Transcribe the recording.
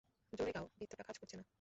জোরে গাও, বৃত্তটা কাজ করছে না!